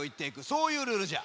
そういうルールじゃ。